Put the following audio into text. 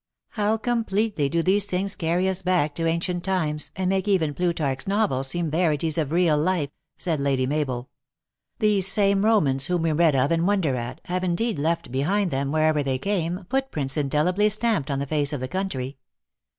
" How completely do these things carry us back to 170 THE ACTRESS IN HIGH LIFE. ancient times, and make even Plutarch s novels seem verities of real life," said Lady Mabel. " These same llomans, whom we read of and wonder at, have in deed left behind them, wherever they came, foot prints indelibly stamped on the face of the coimtry."